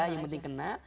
yang penting kena